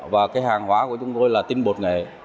và cái hàng hóa của chúng tôi là tinh bột nghệ